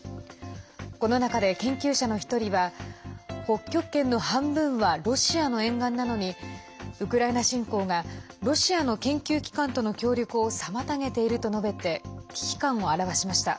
この中で研究者の１人は北極圏の半分はロシアの沿岸なのにウクライナ侵攻がロシアの研究機関との協力を妨げていると述べて危機感を表しました。